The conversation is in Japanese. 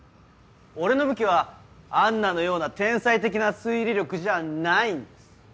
俺の武器はアンナのような天才的な推理力じゃないんです。